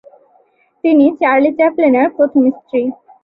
তিনি চার্লি চ্যাপলিনের প্রথম স্ত্রী।